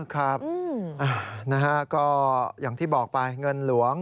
ครับก็อย่างที่บอกไปเงินหลวง